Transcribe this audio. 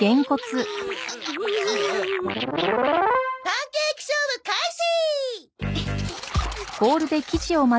パンケーキ勝負開始！